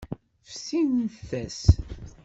Fsimt-as.